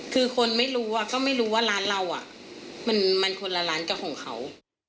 คือคนไม่รู้ก็ไม่รู้ว่าร้านเรามันคนละร้านกับของเขา